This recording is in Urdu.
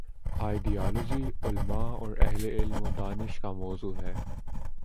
آئیڈیالوجی، علما اور اہل علم و دانش کا موضوع ہے۔